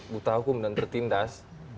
buta hukum dan tertindas